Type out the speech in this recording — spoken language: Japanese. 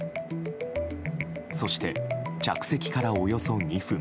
そして、着席からおよそ２分。